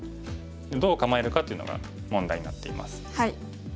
どう構えるかっていうのが問題になっています。